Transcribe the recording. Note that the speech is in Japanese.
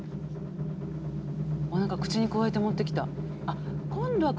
何か口にくわえて持ってきた。